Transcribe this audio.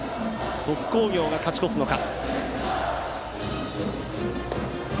鳥栖工業が勝ち越すのか。